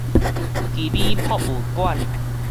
奇美博物館